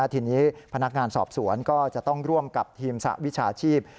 ทีนี้พนักงานสอบสวนก็จะต้องร่วมกับทีมสหวิชาชีพ